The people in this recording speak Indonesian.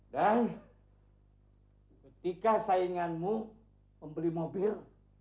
dan ketika sainganmu membeli mobil